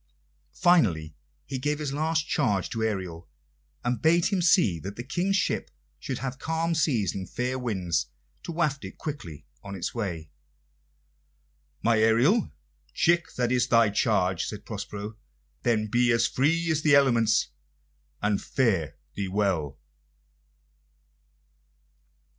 Finally he gave his last charge to Ariel, and bade him see that the King's ship should have calm seas and fair winds to waft it quickly on its way. "My Ariel, chick, that is thy charge," said Prospero. "Then be free as the elements, and fare thee well!"